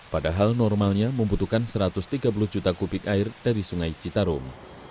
padahal normalnya membutuhkan satu ratus tiga puluh juta kubik air dari sungai citarum